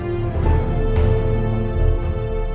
ที่สุดท้ายที่สุดท้าย